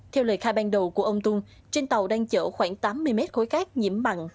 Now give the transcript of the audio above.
theo lời khai ban đầu của ông tung trên tàu đang chở khoảng tám mươi mét khối cát nhiễm mặn